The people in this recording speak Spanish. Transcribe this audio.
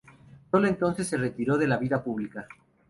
Solo entonces se retiró de la vida pública.